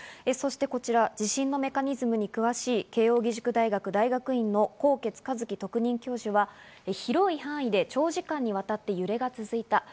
そして、こちら地震のメカニズムに詳しい慶應義塾大学大学院の纐纈一起特任教授は、広い範囲で長時間にわたって揺れが続いた。